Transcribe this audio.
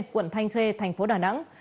quận thanh khê thành phố đà nẵng